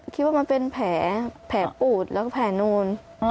คิดว่ามันเป็นแผลปูดแล้วก็แผลนูน